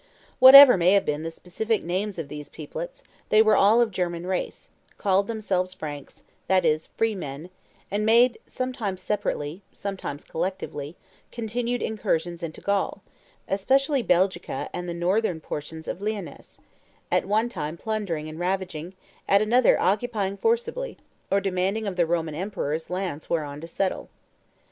Whatever may have been the specific names of these peoplets, they were all of German race, called themselves Franks, that is, "free men," and made, sometimes separately, sometimes collectively, continued incursions into Gaul, especially Belgica and the northern portions of Lyonness, at one time plundering and ravaging, at another occupying forcibly, or demanding of the Roman emperors lands whereon to settle.